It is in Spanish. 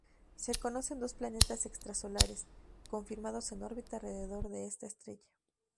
Se conocen dos planetas extrasolares confirmados en órbita alrededor de esta estrella.